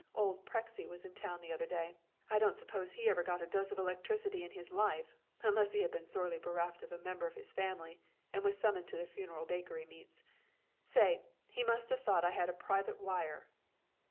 Old Prexy was in town the other day. I don't suppose he ever got a dose of electricity in his life unless he had been sorely bereft of a member of his family and was summoned to the funeral baked meats. Say, he must have thought I had a private wire!"